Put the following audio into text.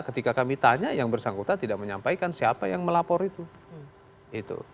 ketika kami tanya yang bersangkutan tidak menyampaikan siapa yang melapor itu